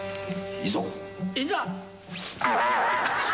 いざ。